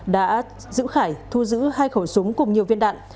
đã giữ khải thu giữ hai khẩu súng cùng nhiều viên đạn